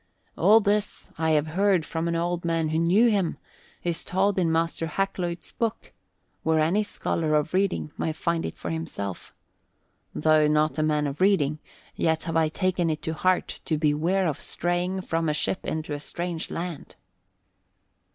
All this, I have heard from an old man who knew him, is told in Master Hakluyt's book, where any scholar of reading may find it for himself. Though not a man of reading, yet have I taken it to heart to beware of straying from a ship into a strange land."